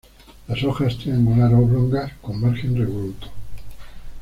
Las hojas triangular-oblongas, con margen revoluto.